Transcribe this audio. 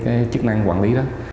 cái chức năng quản lý đó